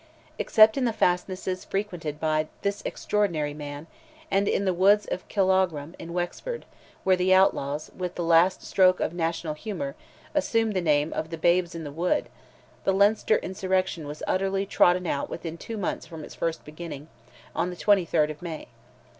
Except in the fastnesses frequented by this extraordinary man, and in the wood of Killaughram, in Wexford, where the outlaws, with the last stroke of national humour, assumed the name of The Babes in the Wood, the Leinster insurrection was utterly trodden out within two months from its first beginning, on the 23rd of May.